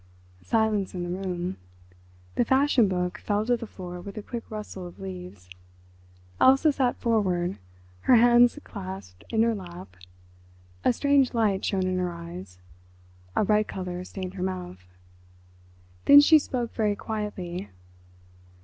Silence in the room. The fashion book fell to the floor with a quick rustle of leaves. Elsa sat forward, her hands clasped in her lap; a strange light shone in her eyes, a red colour stained her mouth. Then she spoke very quietly.